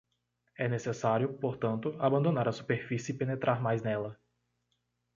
É necessário, portanto, abandonar a superfície e penetrar mais nela.